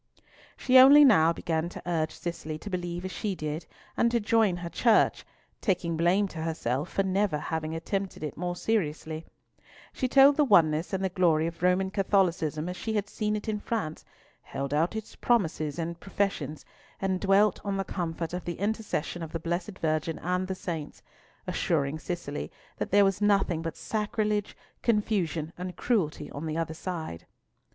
She only now began to urge Cicely to believe as she did, and to join her Church, taking blame to herself for never having attempted it more seriously. She told of the oneness and the glory of Roman Catholicism as she had seen it in France, held out its promises and professions, and dwelt on the comfort of the intercession of the Blessed Virgin and the Saints; assuring Cicely that there was nothing but sacrilege, confusion, and cruelty on the other side.